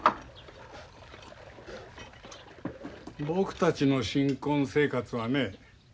僕たちの新婚生活はね